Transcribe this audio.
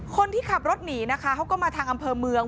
คนที่ขับรถหนีนะคะเขาก็มาทางอำเภอเมือง